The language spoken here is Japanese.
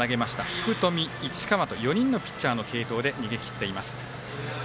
福冨、市川と４人のピッチャーの継投で逃げきっています。